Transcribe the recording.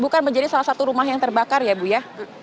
bukan menjadi salah satu rumah yang terbakar ya bu ya